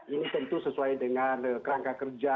ini tentu sesuai dengan kerangka kerja